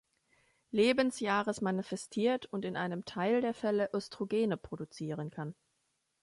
Lebensjahres manifestiert und in einem Teil der Fälle Östrogene produzieren kann.